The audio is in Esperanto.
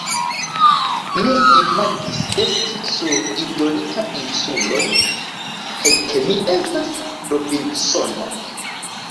Mi imagis esti sur izolita insulo, kaj ke mi estas Robinsono.